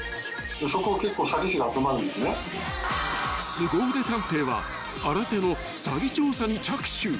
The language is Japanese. ［すご腕探偵は新手の詐欺調査に着手］